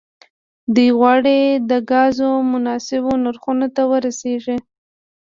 دوی غواړي د ګازو مناسبو نرخونو ته ورسیږي